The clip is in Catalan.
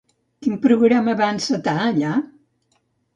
Quin programa va encetar allà?